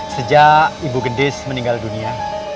sejak ibu gendis meninggal dunia